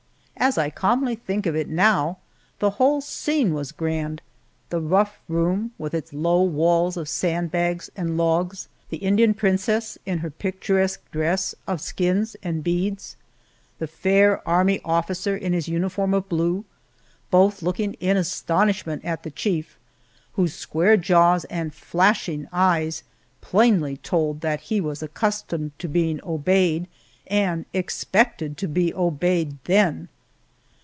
As I calmly think of it now, the whole scene was grand. The rough room, with its low walls of sand bags and logs, the Indian princess in her picturesque dress of skins and beads, the fair army officer in his uniform of blue, both looking in astonishment at the chief, whose square jaws and flashing eyes plainly told that he was accustomed to being obeyed, and expected to be obeyed then!